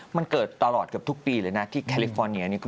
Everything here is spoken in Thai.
มันเกิดตลอดเกือบทุกปีเลยนะที่แคลิฟอร์เนีย